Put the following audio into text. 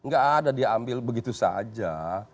gak ada diambil begitu saja